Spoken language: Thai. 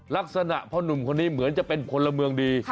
ลักษณะพ่อนุ่มคนนี้เหมือนจะเป็นพลเมืองดี